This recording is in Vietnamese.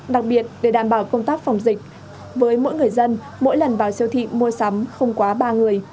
đặc biệt để đảm bảo công tác phòng dịch với mỗi người dân mỗi lần vào siêu thị mua sắm không quá ba người